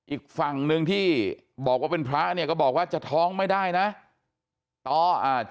อีกฝั่งหนึ่งที่บอกว่าเป็นพระเนี่ยก็บอกว่าจะท้องไม่ได้นะ